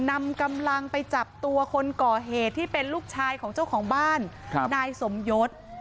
นำกำลังไปจับตัวคนก่อเหตุที่เป็นลูกชายของเจ้าของบ้านนายสมยศ